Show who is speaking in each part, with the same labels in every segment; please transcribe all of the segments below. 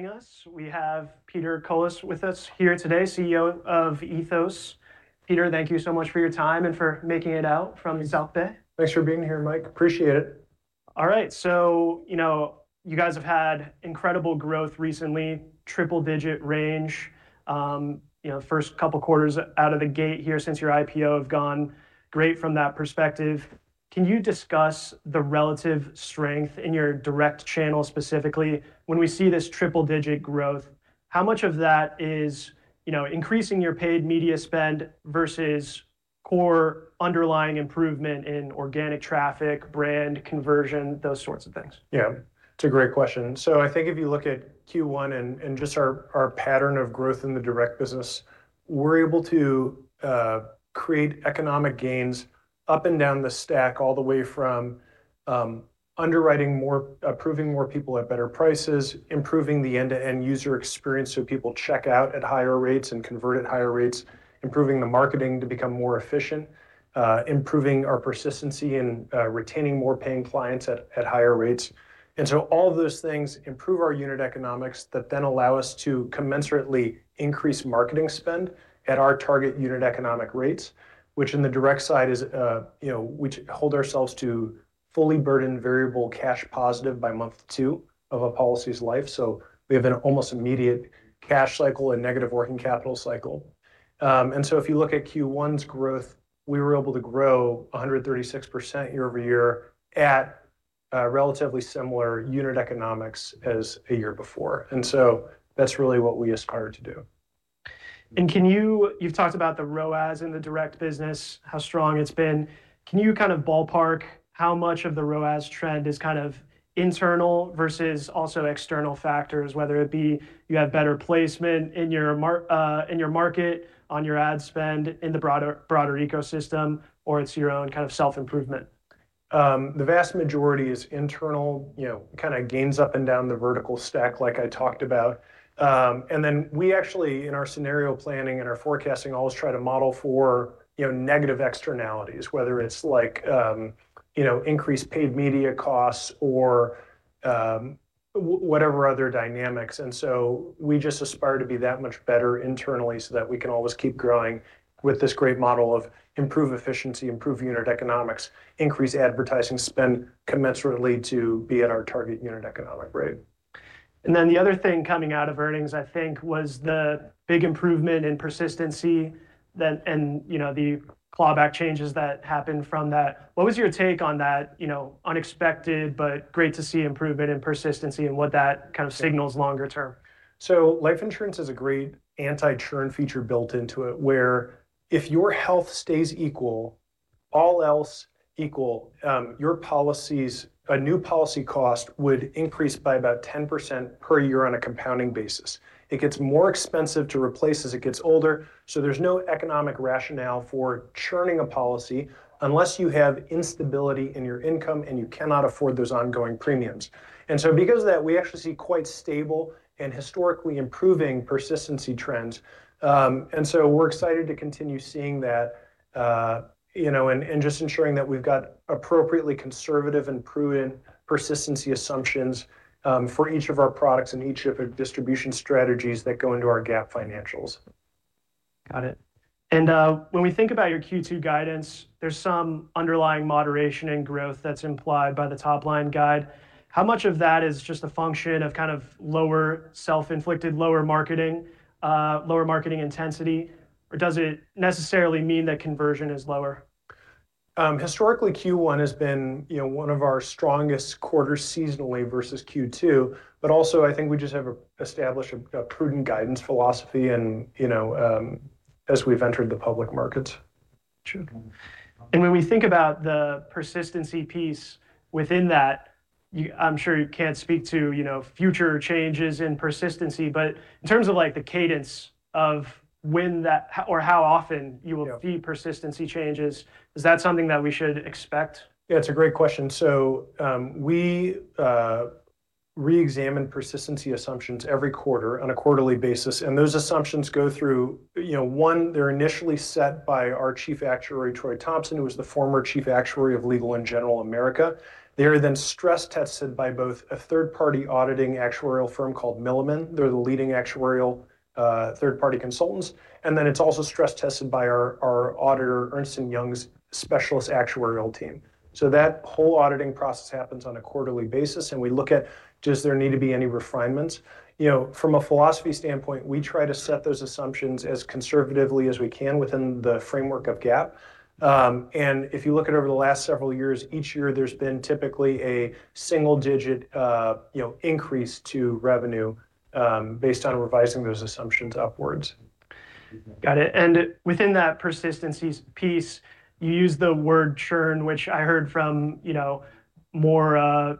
Speaker 1: Yes. We have Peter Colis with us here today, CEO of Ethos. Peter, thank you so much for your time and for making it out from South Bay.
Speaker 2: Thanks for being here, Mike. Appreciate it.
Speaker 1: All right. You guys have had incredible growth recently, triple-digit range. First couple of quarters out of the gate here since your IPO have gone great from that perspective. Can you discuss the relative strength in your direct channel, specifically when we see this triple-digit growth? How much of that is increasing your paid media spend versus core underlying improvement in organic traffic, brand conversion, those sorts of things?
Speaker 2: Yeah. It's a great question. I think if you look at Q1 and just our pattern of growth in the direct business, we're able to create economic gains up and down the stack, all the way from underwriting, approving more people at better prices, improving the end-to-end user experience so people check out at higher rates and convert at higher rates, improving the marketing to become more efficient, improving our persistency, and retaining more paying clients at higher rates. All of those things improve our unit economics that then allow us to commensurately increase marketing spend at our target unit economic rates. Which in the direct side, we hold ourselves to fully burden variable cash positive by month two of a policy's life, so we have an almost immediate cash cycle and negative working capital cycle. If you look at Q1's growth, we were able to grow 136% year-over-year at relatively similar unit economics as a year before. That's really what we aspire to do.
Speaker 1: You've talked about the ROAS in the direct business, how strong it's been. Can you ballpark how much of the ROAS trend is internal versus also external factors, whether it be you have better placement in your market on your ad spend in the broader ecosystem, or it's your own self-improvement?
Speaker 2: The vast majority is internal, gains up and down the vertical stack like I talked about. Then we actually, in our scenario planning and our forecasting, always try to model for negative externalities, whether it's increased paid media costs or whatever other dynamics. So we just aspire to be that much better internally so that we can always keep growing with this great model of improve efficiency, improve unit economics, increase advertising spend commensurately to be at our target unit economic rate.
Speaker 1: The other thing coming out of earnings, I think, was the big improvement in persistency and the clawback changes that happened from that. What was your take on that unexpected but great to see improvement in persistency and what that kind of signals longer term?
Speaker 2: Life insurance has a great anti-churn feature built into it where if your health stays equal, all else equal, a new policy cost would increase by about 10% per year on a compounding basis. It gets more expensive to replace as it gets older, there's no economic rationale for churning a policy unless you have instability in your income and you cannot afford those ongoing premiums. Because of that, we actually see quite stable and historically improving persistency trends. We're excited to continue seeing that and just ensuring that we've got appropriately conservative and prudent persistency assumptions for each of our products and each of our distribution strategies that go into our GAAP financials.
Speaker 1: Got it. When we think about your Q2 guidance, there's some underlying moderation in growth that's implied by the top-line guide. How much of that is just a function of lower self-inflicted lower marketing intensity, or does it necessarily mean that conversion is lower?
Speaker 2: Historically, Q1 has been one of our strongest quarters seasonally versus Q2, but also I think we just have established a prudent guidance philosophy as we've entered the public markets.
Speaker 1: Sure. When we think about the persistency piece within that, I'm sure you can't speak to future changes in persistency. In terms of the cadence of when that or how often you will see persistency changes, is that something that we should expect?
Speaker 2: Yeah, it's a great question. We re-examine persistency assumptions every quarter on a quarterly basis, and those assumptions go through. One, they're initially set by our Chief Actuary, Troy Thompson, who was the former Chief Actuary of Legal & General America. They are then stress tested by both a third-party auditing actuarial firm called Milliman. They're the leading actuarial third-party consultants. It's also stress tested by our auditor, Ernst & Young's specialist actuarial team. That whole auditing process happens on a quarterly basis, and we look at does there need to be any refinements. From a philosophy standpoint, we try to set those assumptions as conservatively as we can within the framework of GAAP. If you look at over the last several years, each year, there's been typically a single-digit increase to revenue based on revising those assumptions upwards.
Speaker 1: Got it. Within that persistency piece, you used the word churn, which I heard from more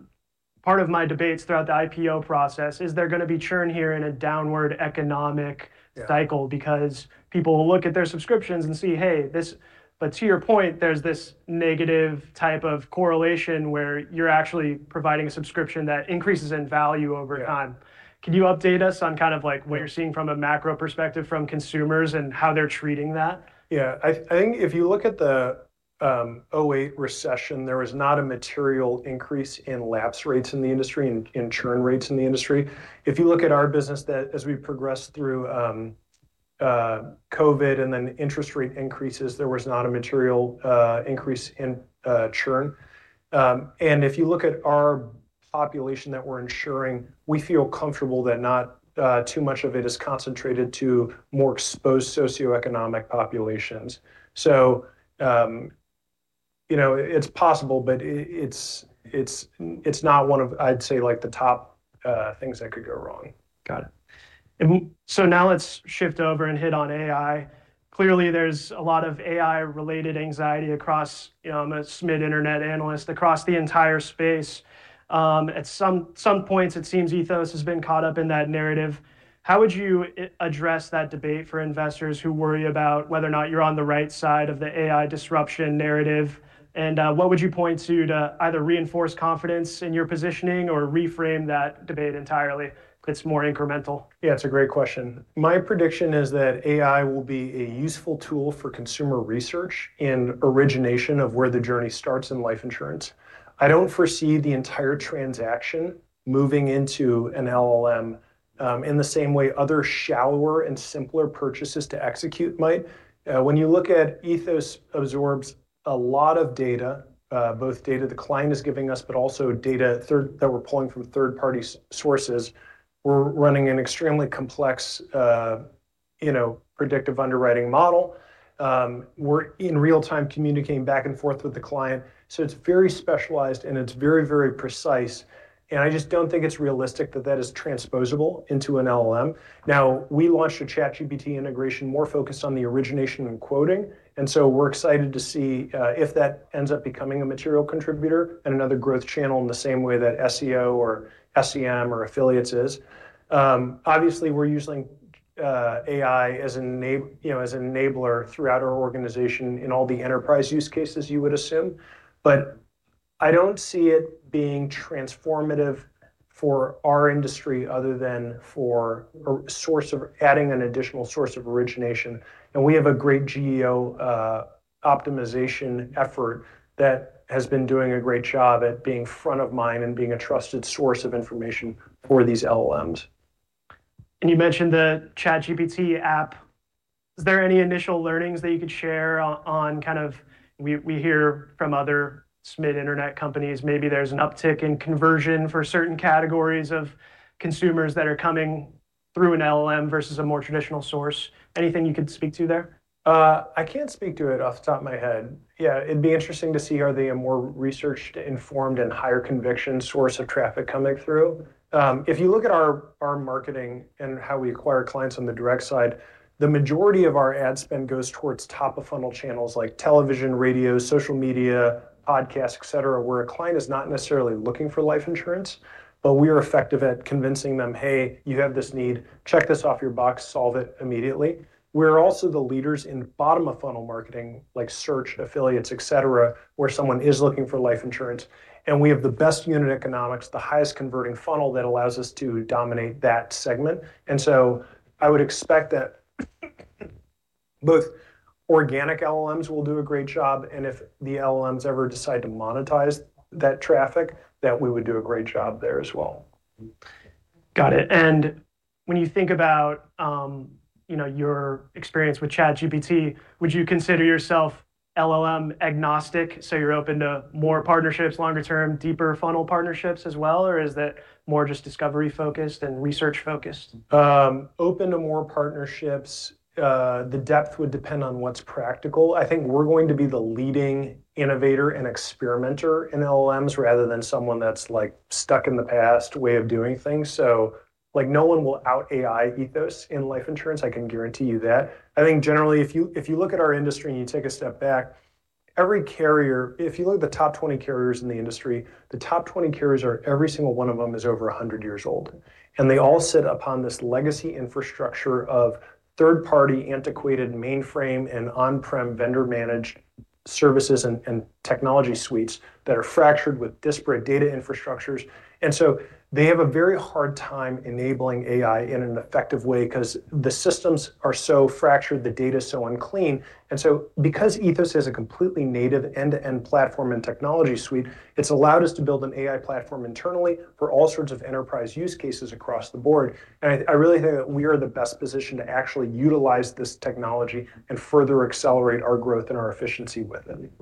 Speaker 1: part of my debates throughout the IPO process. Is there going to be churn here in a downward economic cycle? Because people will look at their subscriptions and see, hey, this. To your point, there's this negative type of correlation where you're actually providing a subscription that increases in value over time. Can you update us on what you're seeing from a macro perspective from consumers and how they're treating that?
Speaker 2: Yeah. I think if you look at the 2008 recession, there was not a material increase in lapse rates in the industry and in churn rates in the industry. If you look at our business, as we progressed through COVID and then interest rate increases, there was not a material increase in churn. If you look at our population that we're insuring, we feel comfortable that not too much of it is concentrated to more exposed socioeconomic populations. It's possible, but it's not one of, I'd say, the top things that could go wrong.
Speaker 1: Got it. Now let's shift over and hit on AI. Clearly, there's a lot of AI-related anxiety across, I'm a mid-internet analyst, across the entire space. At some points, it seems Ethos has been caught up in that narrative. How would you address that debate for investors who worry about whether or not you're on the right side of the AI disruption narrative? What would you point to to either reinforce confidence in your positioning or reframe that debate entirely? It's more incremental.
Speaker 2: It's a great question. My prediction is that AI will be a useful tool for consumer research in origination of where the journey starts in life insurance. I don't foresee the entire transaction moving into an LLM in the same way other shallower and simpler purchases to execute might. When you look at Ethos absorbs a lot of data, both data the client is giving us, but also data that we're pulling from third-party sources. We're running an extremely complex predictive underwriting model. We're, in real-time, communicating back and forth with the client. It's very specialized and it's very, very precise, and I just don't think it's realistic that is transposable into an LLM. We launched a ChatGPT integration more focused on the origination and quoting. We're excited to see if that ends up becoming a material contributor and another growth channel in the same way that SEO or SEM or affiliates is. Obviously, we're using AI as an enabler throughout our organization in all the enterprise use cases, you would assume. I don't see it being transformative for our industry other than for adding an additional source of origination. We have a great GEO optimization effort that has been doing a great job at being front of mind and being a trusted source of information for these LLMs.
Speaker 1: You mentioned the ChatGPT app. Is there any initial learnings that you could share on, we hear from other mid-internet companies, maybe there's an uptick in conversion for certain categories of consumers that are coming through an LLM versus a more traditional source? Anything you could speak to there?
Speaker 2: I can't speak to it off the top of my head. Yeah, it'd be interesting to see are they a more researched, informed, and higher-conviction source of traffic coming through. If you look at our marketing and how we acquire clients on the direct side, the majority of our ad spend goes towards top-of-funnel channels like television, radio, social media, podcasts, et cetera, where a client is not necessarily looking for life insurance, but we are effective at convincing them, "Hey, you have this need. Check this off your box. Solve it immediately." We're also the leaders in bottom-of-funnel marketing, like search, affiliates, et cetera, where someone is looking for life insurance, and we have the best unit economics, the highest converting funnel that allows us to dominate that segment. I would expect that both organic LLMs will do a great job, and if the LLMs ever decide to monetize that traffic, that we would do a great job there as well.
Speaker 1: Got it. When you think about your experience with ChatGPT, would you consider yourself LLM agnostic, so you're open to more partnerships longer term, deeper funnel partnerships as well? Is that more just discovery-focused and research-focused?
Speaker 2: Open to more partnerships. The depth would depend on what's practical. I think we're going to be the leading innovator and experimenter in LLMs rather than someone that's stuck in the past way of doing things. No one will out AI Ethos in life insurance, I can guarantee you that. I think generally, if you look at our industry and you take a step back, if you look at the top 20 carriers in the industry, the top 20 carriers, every single one of them is over 100 years old. They all sit upon this legacy infrastructure of third-party, antiquated mainframe and on-prem vendor-managed services and technology suites that are fractured with disparate data infrastructures. They have a very hard time enabling AI in an effective way because the systems are so fractured, the data's so unclean. Because Ethos has a completely native end-to-end platform and technology suite, it's allowed us to build an AI platform internally for all sorts of enterprise use cases across the board. I really think that we are in the best position to actually utilize this technology and further accelerate our growth and our efficiency with it.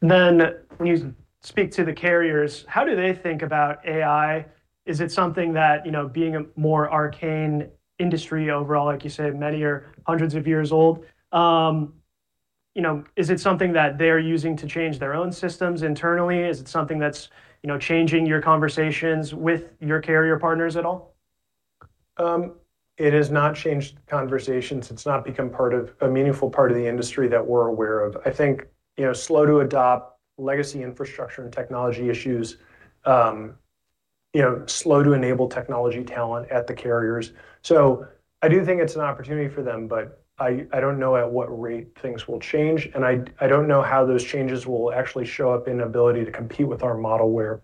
Speaker 1: When you speak to the carriers, how do they think about AI? Is it something that, being a more arcane industry overall, like you say, many are hundreds of years old, is it something that they're using to change their own systems internally? Is it something that's changing your conversations with your carrier partners at all?
Speaker 2: It has not changed conversations. It's not become a meaningful part of the industry that we're aware of. I think, slow to adopt legacy infrastructure and technology issues. Slow to enable technology talent at the carriers. I do think it's an opportunity for them, but I don't know at what rate things will change, and I don't know how those changes will actually show up in ability to compete with our model where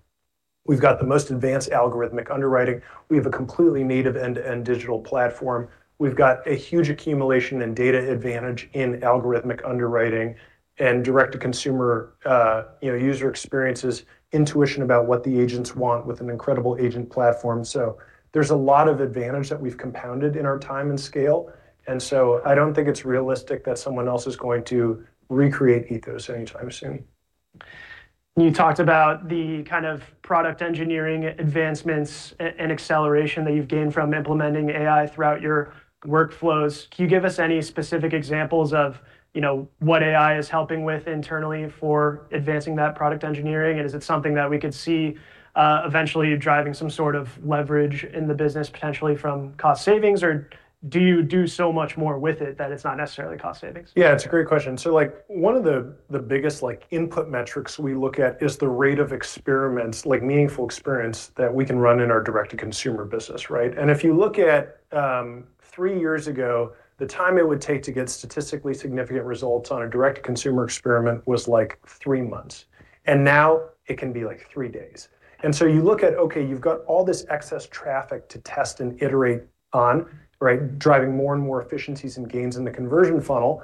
Speaker 2: we've got the most advanced algorithmic underwriting. We have a completely native end-to-end digital platform. We've got a huge accumulation and data advantage in algorithmic underwriting and direct-to-consumer user experiences, intuition about what the agents want with an incredible agent platform. There's a lot of advantage that we've compounded in our time and scale. I don't think it's realistic that someone else is going to recreate Ethos anytime soon.
Speaker 1: You talked about the kind of product engineering advancements and acceleration that you've gained from implementing AI throughout your workflows. Can you give us any specific examples of what AI is helping with internally for advancing that product engineering? Is it something that we could see eventually driving some sort of leverage in the business, potentially from cost savings? Do you do so much more with it that it's not necessarily cost savings?
Speaker 2: Yeah, it's a great question. One of the biggest input metrics we look at is the rate of experiments, like meaningful experiments that we can run in our direct-to-consumer business, right? If you look at three years ago, the time it would take to get statistically significant results on a direct-to-consumer experiment was like three months. Now it can be like three days. You look at, okay, you've got all this excess traffic to test and iterate on, right? Driving more and more efficiencies and gains in the conversion funnel.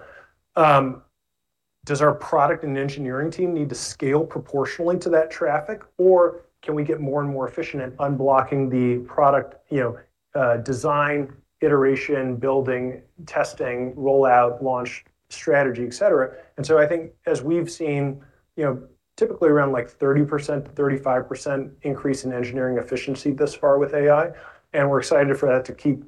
Speaker 2: Does our product and engineering team need to scale proportionally to that traffic? Can we get more and more efficient at unblocking the product design, iteration, building, testing, rollout, launch, strategy, et cetera? I think as we've seen, typically around 30%-35% increase in engineering efficiency thus far with AI, and we're excited for that to keep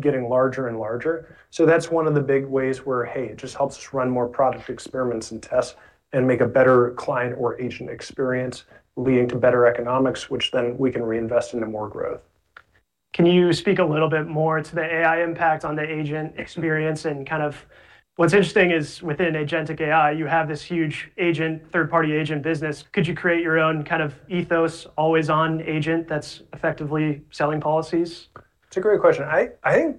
Speaker 2: getting larger and larger. That's one of the big ways where, hey, it just helps us run more product experiments and tests, and make a better client or agent experience, leading to better economics, which then we can reinvest into more growth.
Speaker 1: Can you speak a little bit more to the AI impact on the agent experience? What's interesting is within agentic AI, you have this huge third-party agent business. Could you create your own kind of Ethos always-on agent that's effectively selling policies?
Speaker 2: It's a great question. I think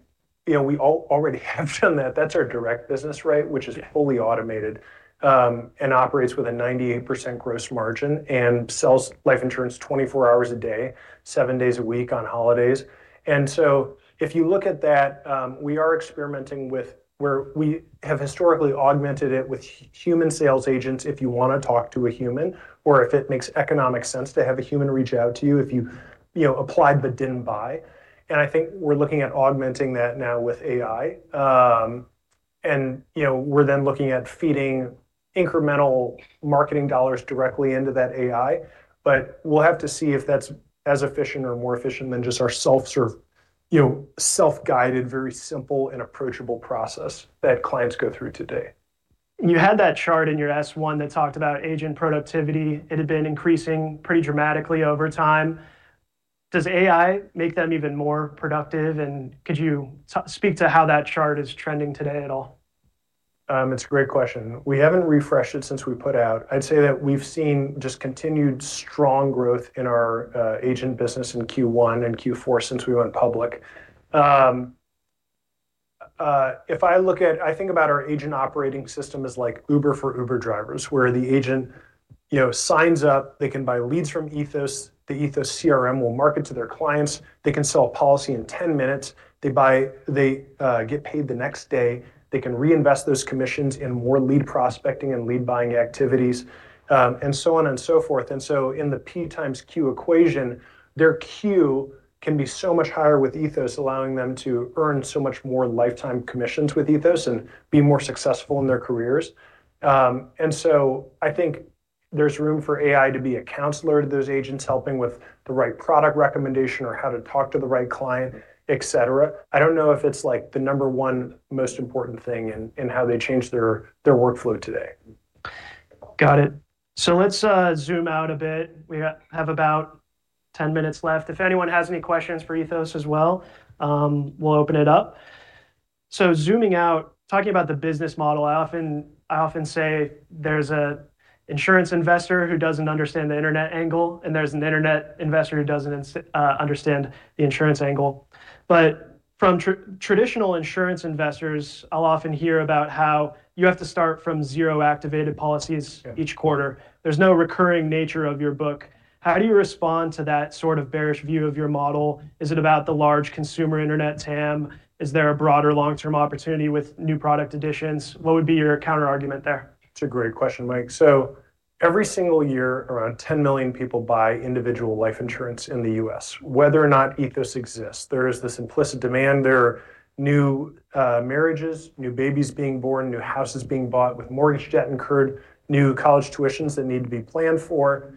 Speaker 2: we already have done that. That's our direct business, right? Which is fully automated, and operates with a 98% gross margin and sells life insurance 24 hours a day, seven days a week, on holidays. If you look at that, we are experimenting with where we have historically augmented it with human sales agents if you want to talk to a human, or if it makes economic sense to have a human reach out to you if you applied but didn't buy. I think we're looking at augmenting that now with AI. We're then looking at feeding incremental marketing dollars directly into that AI. We'll have to see if that's as efficient or more efficient than just our self-serve, self-guided, very simple and approachable process that clients go through today.
Speaker 1: You had that chart in your S-1 that talked about agent productivity. It had been increasing pretty dramatically over time. Does AI make them even more productive? Could you speak to how that chart is trending today at all?
Speaker 2: It's a great question. We haven't refreshed it since we put out. I'd say that we've seen just continued strong growth in our agent business in Q1 and Q4 since we went public. I think about our agent operating system as like Uber for Uber drivers, where the agent signs up. They can buy leads from Ethos. The Ethos CRM will market to their clients. They can sell a policy in 10 minutes. They get paid the next day. They can reinvest those commissions in more lead prospecting and lead buying activities, and so on and so forth. In the P times Q equation, their Q can be so much higher with Ethos, allowing them to earn so much more lifetime commissions with Ethos and be more successful in their careers. I think there's room for AI to be a counselor to those agents, helping with the right product recommendation or how to talk to the right client, et cetera. I don't know if it's the number one most important thing in how they change their workflow today.
Speaker 1: Got it. Let's zoom out a bit. We have about 10 minutes left. If anyone has any questions for Ethos as well, we'll open it up. Zooming out, talking about the business model, I often say there's an insurance investor who doesn't understand the internet angle, and there's an internet investor who doesn't understand the insurance angle. From traditional insurance investors, I'll often hear about how you have to start from zero activated policies each quarter. There's no recurring nature of your book. How do you respond to that sort of bearish view of your model? Is it about the large consumer internet TAM? Is there a broader long-term opportunity with new product additions? What would be your counterargument there?
Speaker 2: It's a great question, Mike. Every single year, around 10 million people buy individual life insurance in the U.S., whether or not Ethos exists. There is this implicit demand. There are new marriages, new babies being born, new houses being bought with mortgage debt incurred, new college tuitions that need to be planned for.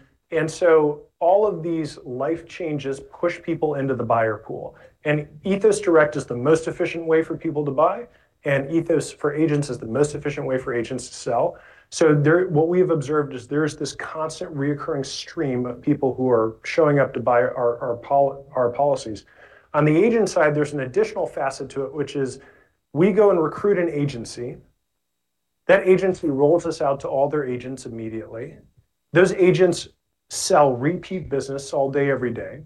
Speaker 2: All of these life changes push people into the buyer pool. Ethos Direct is the most efficient way for people to buy, and Ethos for agents is the most efficient way for agents to sell. What we've observed is there is this constant reoccurring stream of people who are showing up to buy our policies. On the agent side, there's an additional facet to it, which is we go and recruit an agency. That agency rolls us out to all their agents immediately. Those agents sell repeat business all day, every day.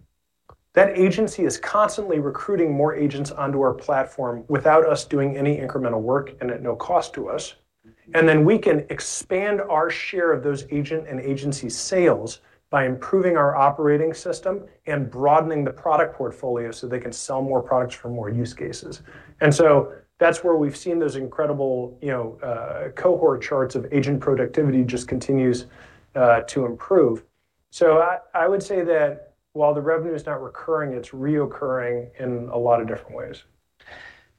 Speaker 2: That agency is constantly recruiting more agents onto our platform without us doing any incremental work and at no cost to us. Then we can expand our share of those agent and agency sales by improving our operating system and broadening the product portfolio so they can sell more products for more use cases. That's where we've seen those incredible cohort charts of agent productivity just continues to improve. I would say that while the revenue is not recurring, it's reoccurring in a lot of different ways.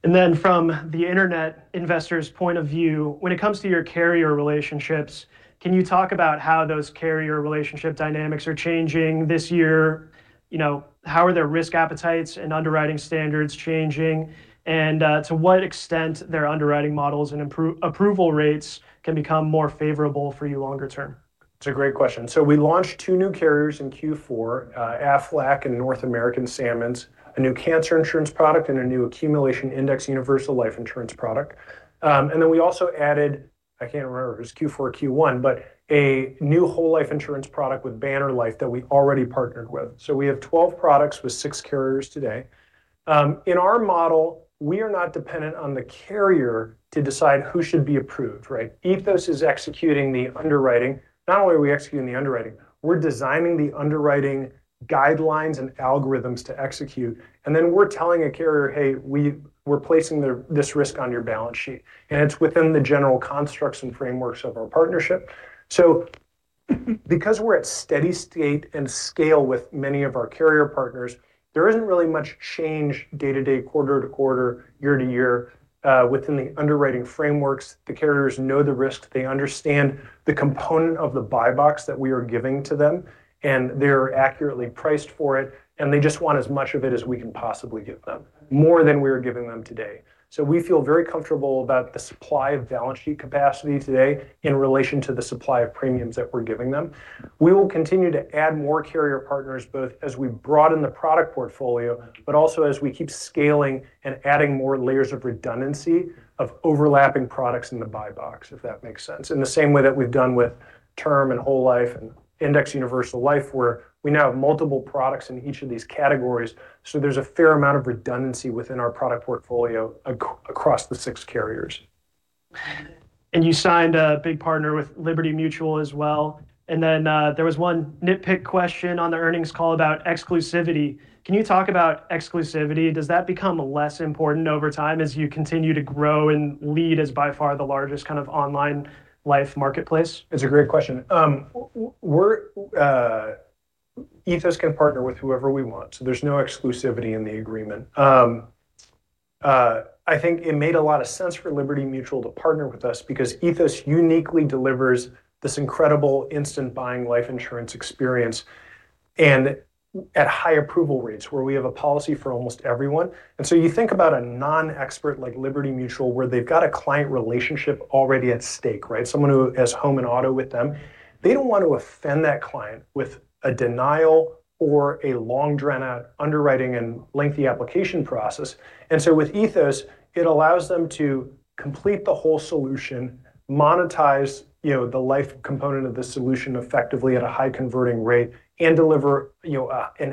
Speaker 1: From the internet investor's point of view, when it comes to your carrier relationships, can you talk about how those carrier relationship dynamics are changing this year? How are their risk appetites and underwriting standards changing? To what extent their underwriting models and approval rates can become more favorable for you longer term?
Speaker 2: It's a great question. We launched two new carriers in Q4, Aflac and North American Sammons, a new cancer insurance product, and a new accumulation indexed universal life insurance product. We also added, I can't remember if it was Q4 or Q1, but a new whole life insurance product with Banner Life that we already partnered with. We have 12 products with six carriers today. In our model, we are not dependent on the carrier to decide who should be approved, right? Ethos is executing the underwriting. Not only are we executing the underwriting, we're designing the underwriting guidelines and algorithms to execute. We're telling a carrier, "Hey, we're placing this risk on your balance sheet," and it's within the general constructs and frameworks of our partnership. Because we're at steady state and scale with many of our carrier partners, there isn't really much change day to day, quarter to quarter, year to year within the underwriting frameworks. The carriers know the risk. They understand the component of the buy box that we are giving to them, and they're accurately priced for it, and they just want as much of it as we can possibly give them, more than we are giving them today. We feel very comfortable about the supply of balance sheet capacity today in relation to the supply of premiums that we're giving them. We will continue to add more carrier partners, both as we broaden the product portfolio, but also as we keep scaling and adding more layers of redundancy of overlapping products in the buy box, if that makes sense. In the same way that we've done with term and whole life and indexed universal life, where we now have multiple products in each of these categories. There's a fair amount of redundancy within our product portfolio across the six carriers.
Speaker 1: You signed a big partner with Liberty Mutual as well. Then, there was one nitpick question on the earnings call about exclusivity. Can you talk about exclusivity? Does that become less important over time as you continue to grow and lead as by far the largest kind of online life marketplace?
Speaker 2: It's a great question. Ethos can partner with whoever we want. There's no exclusivity in the agreement. I think it made a lot of sense for Liberty Mutual to partner with us because Ethos uniquely delivers this incredible instant buying life insurance experience and at high approval rates, where we have a policy for almost everyone. You think about a non-expert like Liberty Mutual, where they've got a client relationship already at stake, right? Someone who has home and auto with them. They don't want to offend that client with a denial or a long, drawn-out underwriting and lengthy application process. With Ethos, it allows them to complete the whole solution, monetize the life component of the solution effectively at a high converting rate, and deliver an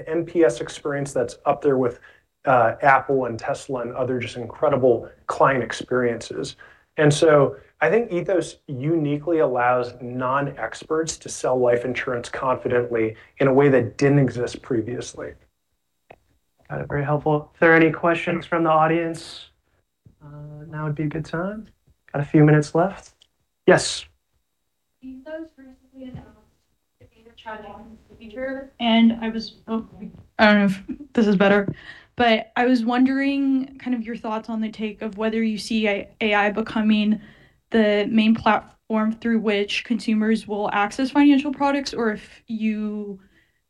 Speaker 2: NPS experience that's up there with Apple and Tesla and other just incredible client experiences. I think Ethos uniquely allows non-experts to sell life insurance confidently in a way that didn't exist previously.
Speaker 1: Got it. Very helpful. If there are any questions from the audience, now would be a good time. Got a few minutes left. Yes.
Speaker 3: Ethos recently announced the beta chatbot feature. I don't know if this is better, but I was wondering your thoughts on the take of whether you see AI becoming the main platform through which consumers will access financial products, or if you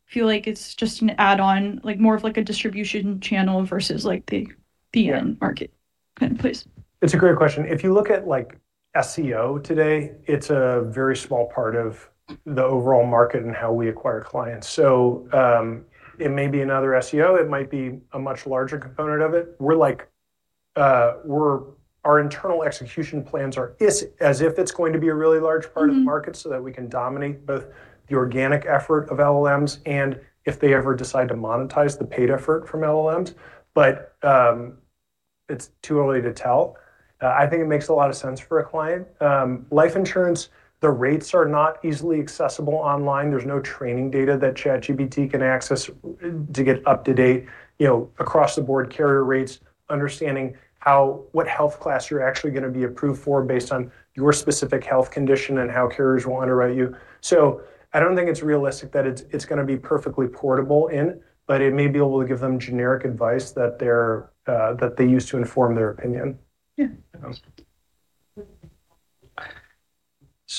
Speaker 3: feel like it's just an add-on, more of a distribution channel versus the end market. Go ahead, please.
Speaker 2: It's a great question. If you look at SEO today, it's a very small part of the overall market and how we acquire clients. It may be another SEO, it might be a much larger component of it. Our internal execution plans are as if it's going to be a really large part of the market so that we can dominate both the organic effort of LLMs and if they ever decide to monetize the paid effort from LLMs. It's too early to tell. I think it makes a lot of sense for a client. Life insurance, the rates are not easily accessible online. There's no training data that ChatGPT can access to get up to date, across the board carrier rates, understanding what health class you're actually going to be approved for based on your specific health condition and how carriers will underwrite you. I don't think it's realistic that it's going to be perfectly portable in, but it may be able to give them generic advice that they use to inform their opinion.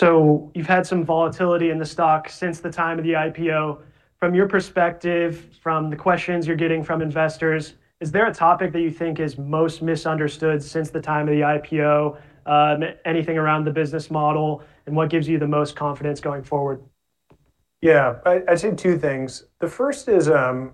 Speaker 3: Yeah.
Speaker 1: You've had some volatility in the stock since the time of the IPO. From your perspective, from the questions you're getting from investors, is there a topic that you think is most misunderstood since the time of the IPO? Anything around the business model, and what gives you the most confidence going forward?
Speaker 2: Yeah. I'd say two things. The first is, I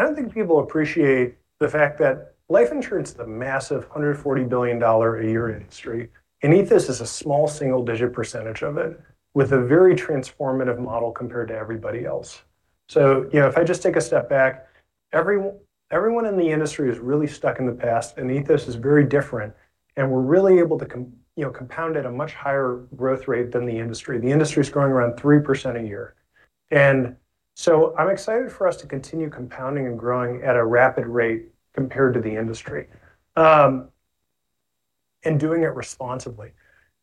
Speaker 2: don't think people appreciate the fact that life insurance is a massive $140 billion a year industry, and Ethos is a small single-digit percentage of it with a very transformative model compared to everybody else. If I just take a step back, everyone in the industry is really stuck in the past, and Ethos is very different, and we're really able to compound at a much higher growth rate than the industry. The industry's growing around 3% a year. I'm excited for us to continue compounding and growing at a rapid rate compared to the industry, and doing it responsibly.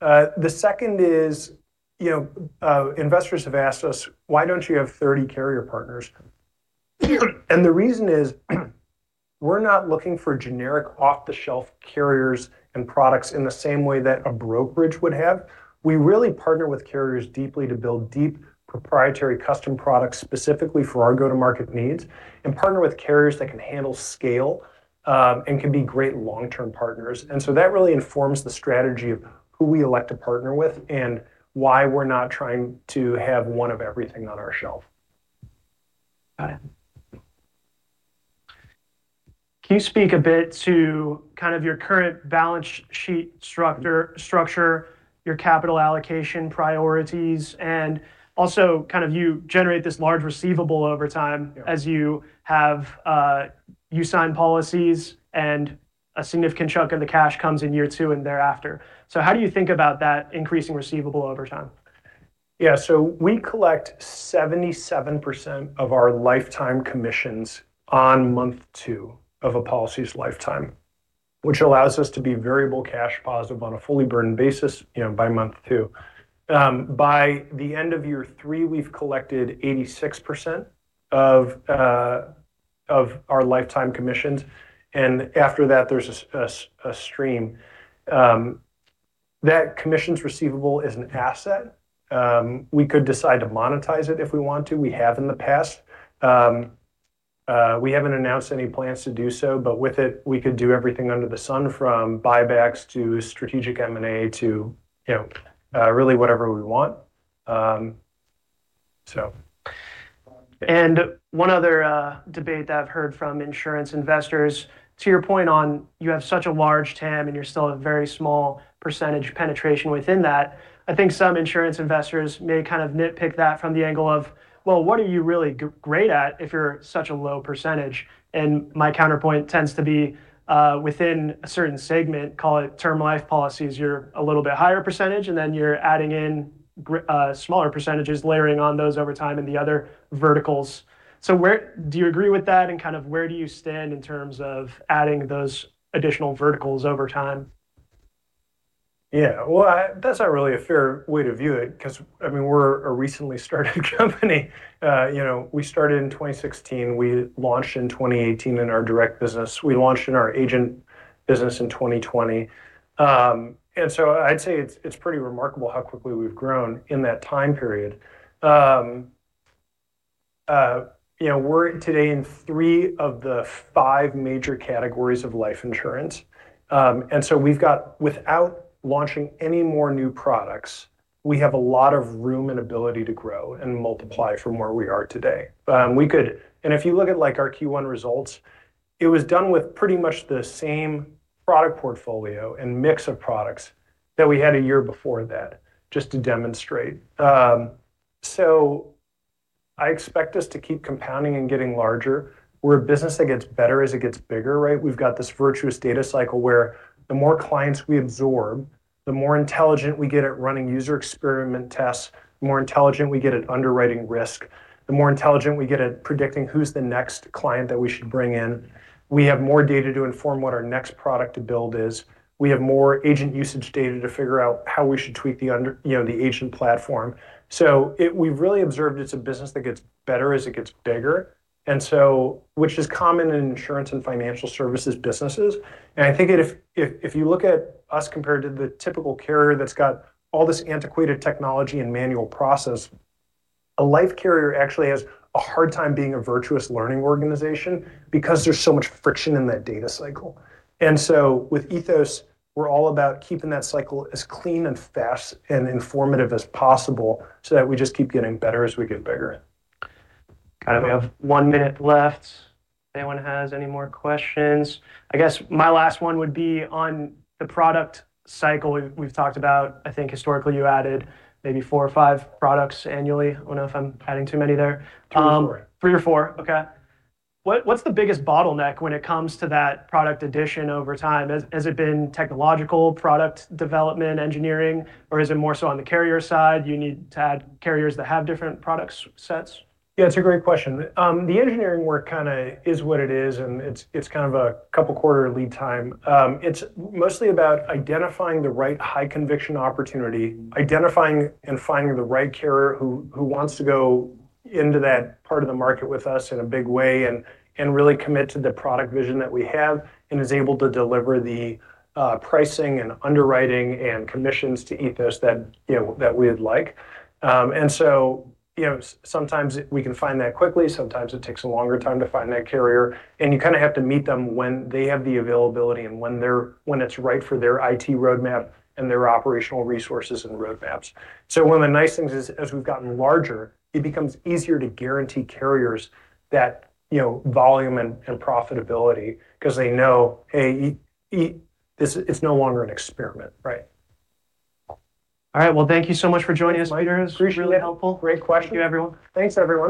Speaker 2: The second is, investors have asked us, "Why don't you have 30 carrier partners?" The reason is we're not looking for generic off-the-shelf carriers and products in the same way that a brokerage would have. We really partner with carriers deeply to build deep, proprietary custom products specifically for our go-to-market needs and partner with carriers that can handle scale, and can be great long-term partners. That really informs the strategy of who we elect to partner with and why we're not trying to have one of everything on our shelf.
Speaker 1: Got it. Can you speak a bit to kind of your current balance sheet structure, your capital allocation priorities, and also you generate this large receivable over time as you sign policies and a significant chunk of the cash comes in year two and thereafter. How do you think about that increasing receivable over time?
Speaker 2: Yeah. We collect 77% of our lifetime commissions on month two of a policy's lifetime, which allows us to be variable cash positive on a fully burdened basis, by month two. By the end of year three, we've collected 86% of our lifetime commissions, after that there's a stream. That commissions receivable is an asset. We could decide to monetize it if we want to. We have in the past. We haven't announced any plans to do so, with it, we could do everything under the sun from buybacks to strategic M&A to really whatever we want.
Speaker 1: One other debate that I've heard from insurance investors, to your point on you have such a large TAM and you're still a very small percentage penetration within that, I think some insurance investors may kind of nitpick that from the angle of, well, what are you really great at if you're such a low percentage? My counterpoint tends to be within a certain segment, call it Term life policies, you're a little bit higher percentage, and then you're adding in smaller percentages, layering on those over time in the other verticals. Do you agree with that, and where do you stand in terms of adding those additional verticals over time?
Speaker 2: Well, that's not really a fair way to view it because we're a recently started company. We started in 2016. We launched in 2018 in our direct business. We launched in our agent business in 2020. I'd say it's pretty remarkable how quickly we've grown in that time period. We're today in three of the five major categories of life insurance. Without launching any more new products, we have a lot of room and ability to grow and multiply from where we are today. If you look at our Q1 results, it was done with pretty much the same product portfolio and mix of products that we had a year before that, just to demonstrate. I expect us to keep compounding and getting larger. We're a business that gets better as it gets bigger, right? We've got this virtuous data cycle where the more clients we absorb, the more intelligent we get at running user experiment tests, the more intelligent we get at underwriting risk, the more intelligent we get at predicting who's the next client that we should bring in. We have more data to inform what our next product to build is. We have more agent usage data to figure out how we should tweak the agent platform. We've really observed it's a business that gets better as it gets bigger, which is common in insurance and financial services businesses. I think if you look at us compared to the typical carrier that's got all this antiquated technology and manual process, a life carrier actually has a hard time being a virtuous learning organization because there's so much friction in that data cycle. With Ethos, we're all about keeping that cycle as clean and fast and informative as possible so that we just keep getting better as we get bigger.
Speaker 1: Got it. We have one minute left if anyone has any more questions. I guess my last one would be on the product cycle we've talked about. I think historically you added maybe four or five products annually. I don't know if I'm adding too many there.
Speaker 2: Three or four.
Speaker 1: Three or four. Okay. What's the biggest bottleneck when it comes to that product addition over time? Has it been technological product development, engineering, or is it more so on the carrier side, you need to add carriers that have different product sets?
Speaker 2: Yeah, it's a great question. The engineering work is what it is. It's a couple quarter lead time. It's mostly about identifying the right high-conviction opportunity, identifying and finding the right carrier who wants to go into that part of the market with us in a big way and really commit to the product vision that we have and is able to deliver the pricing and underwriting and commissions to Ethos that we'd like. Sometimes we can find that quickly, sometimes it takes a longer time to find that carrier, and you have to meet them when they have the availability and when it's right for their IT roadmap and their operational resources and roadmaps. One of the nice things is, as we've gotten larger, it becomes easier to guarantee carriers that volume and profitability because they know, hey, it's no longer an experiment.
Speaker 1: Right. All right. Well, thank you so much for joining us, Peter.
Speaker 2: Appreciate it.
Speaker 1: It's really helpful.
Speaker 2: Great question.
Speaker 1: Thank you, everyone.